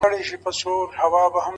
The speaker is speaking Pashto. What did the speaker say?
ډېره شناخته مي په وجود كي ده.!